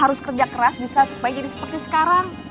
harus kerja keras bisa supaya jadi seperti sekarang